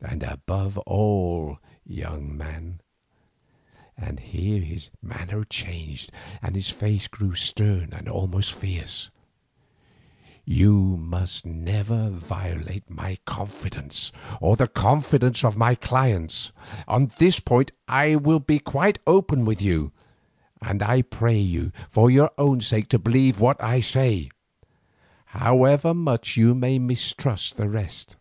And above all, young man"—and here his manner changed and his face grew stern and almost fierce—"you must never violate my confidence or the confidence of my clients. On this point I will be quite open with you, and I pray you for your own sake to believe what I say, however much you may mistrust the rest.